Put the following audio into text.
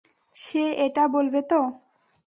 সে এটা বলবে তো?